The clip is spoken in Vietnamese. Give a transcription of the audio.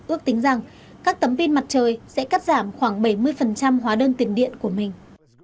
ước tính rằng các tấm pin mặt trời sẽ cắt giảm khoảng bảy mươi hóa đơn tiền điện của mình